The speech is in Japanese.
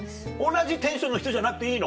同じテンションの人じゃなくていいの？